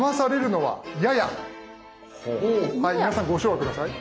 皆さんご唱和下さい。